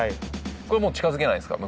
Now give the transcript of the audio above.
これもう近づけないですか？